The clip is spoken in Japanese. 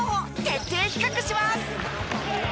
徹底比較します！